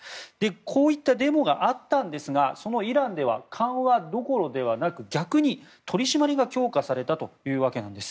こういったデモがあったんですがそのイランでは緩和どころではなく逆に取り締まりが強化されたわけなんです。